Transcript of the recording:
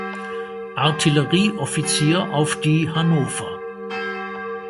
Artillerieoffizier auf die "Hannover".